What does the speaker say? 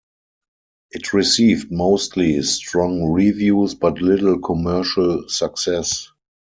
It received mostly strong reviews but little commercial success.